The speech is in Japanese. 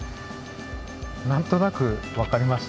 なんとなくわかりました？